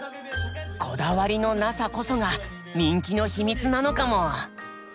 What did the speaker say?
こだわりのなさこそが人気の秘密なのかも！